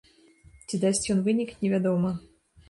Ці дасць ён вынік, невядома.